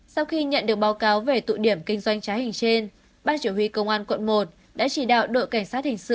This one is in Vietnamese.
sau khi nhận được báo cáo về tụ điểm kinh doanh trá hình trên ban chỉ huy công an quận một đã chỉ đạo đội cảnh sát hình sự